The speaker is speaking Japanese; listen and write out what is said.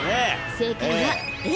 正解はＡ。